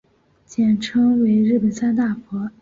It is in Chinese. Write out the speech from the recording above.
简称为日本三大佛。